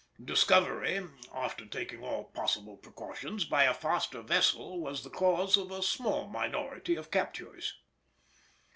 Discovery (after taking all possible precautions) by a faster vessel was the cause of a small minority of captures.